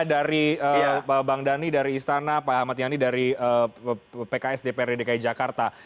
dari bang dhani dari istana pak ahmad yani dari pks dprd dki jakarta